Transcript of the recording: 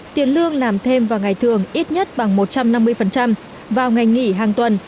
tiền lương làm thêm vào ngày thường ít nhất bằng một trăm năm mươi vào ngày nghỉ hàng tuần